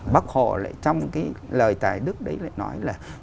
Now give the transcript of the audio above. bác hồ lại trong cái lời tài đức đấy lại nói là